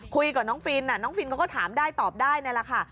คุยกับน้องฟินน้องฟินเขาก็ถามได้ตอบได้นี่แหละค่ะ